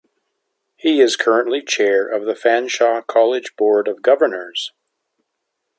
He is currently chair of the Fanshawe College Board of Governors.